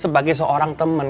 sebagai seorang temen